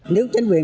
nếu chính quyền